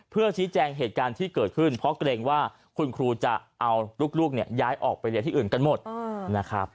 เพื่อชี้แจงเหตุการณ์ที่เกิดขึ้นเพราะเกรงว่าคุณครูจะเอาลูกเนี่ยย้ายออกไปเรียนที่อื่นกันหมดนะครับ